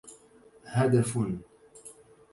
هدف!